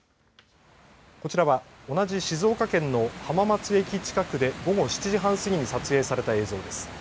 こちらは同じ静岡県の浜松駅近くで午後７時半過ぎに撮影された映像です。